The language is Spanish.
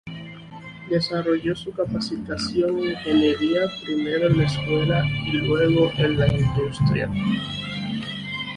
Desarrolló su capacitación en ingeniería primero en la escuela y luego en la industria.